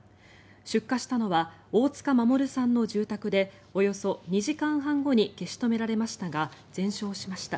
出火したのは大塚守さんの住宅でおよそ２時間半後に消し止められましたが全焼しました。